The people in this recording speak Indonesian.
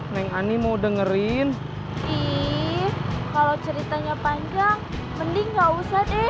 neng ani mau dengerin ih kalau ceritanya panjang mending gak usah deh